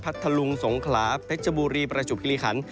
พัทธลุงสงคราพัทธบุรีประจุพิริคัณ